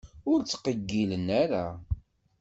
Ur ttqeyyilen ara.